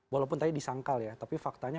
walaupun tadi disangkal ya tapi faktanya